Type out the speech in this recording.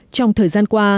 trong thời gian qua